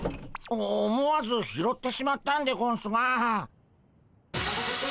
お思わず拾ってしまったんでゴンスが。